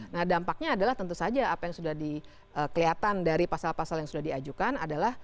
nah dampaknya adalah tentu saja apa yang sudah dikeliatan dari pasal pasal yang sudah diajukan adalah